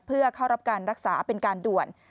เพื่อเข้ารับการรักษาเป็นการด่วน